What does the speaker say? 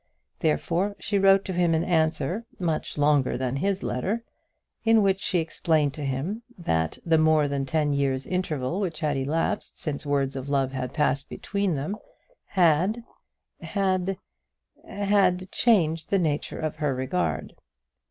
Therefore she wrote to him an answer, much longer than his letter, in which she explained to him that the more than ten years' interval which had elapsed since words of love had passed between them had had had changed the nature of her regard.